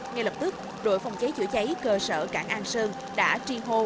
ngay lập tức đội phòng cháy chữa cháy cơ sở cảng an sơn đã tri hô